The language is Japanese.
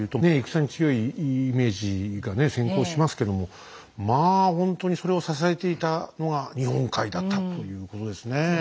戦に強いイメージがね先行しますけどもまあほんとにそれを支えていたのが日本海だったということですね。